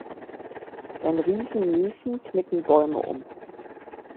Wenn Riesen niesen, knicken Bäume um.